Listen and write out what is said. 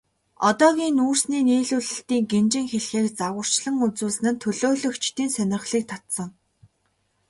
Одоогийн нүүрсний нийлүүлэлтийн гинжин хэлхээг загварчлан үзүүлсэн нь төлөөлөгчдийн сонирхлыг татсан.